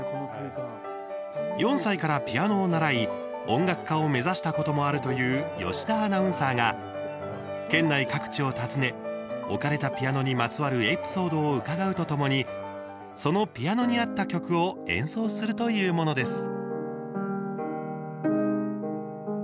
４歳からピアノを習い音楽家を目指したこともあるという吉田アナウンサーが県内各地を訪ね置かれたピアノにまつわるエピソードを伺うとともにそのピアノに合った曲を演奏するというものです。